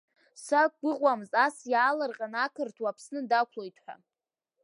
Сақәгәыӷуамызт ас иаалыр-ҟьаны ақырҭуа Аԥсны дақәлоит ҳәа.